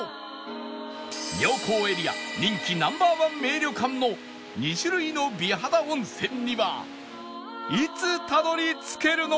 妙高エリア人気 Ｎｏ．１ 名旅館の２種類の美肌温泉にはいつたどり着けるのか？